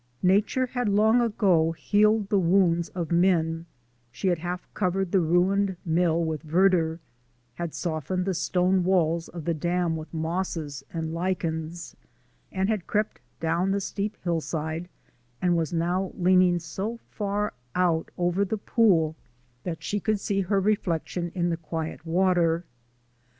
Nature had long ago healed the wounds of men; she had half covered the ruined mill with verdure, had softened the stone walls of the dam with mosses and lichens, and had crept down the steep hillside and was now leaning so far out over the pool that she could see her reflection in the quiet water.